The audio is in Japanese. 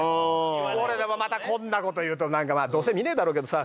これでもまたこんな事言うとなんかまあどうせ見ねえだろうけどさ。